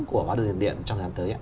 của hóa đường điện trong tháng tới ạ